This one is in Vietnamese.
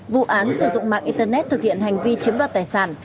vụ án sử dụng mạng internet thực hiện hành vi chiếm đoạt tài sản